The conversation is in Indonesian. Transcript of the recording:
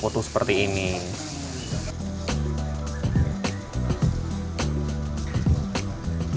kutu seperti ini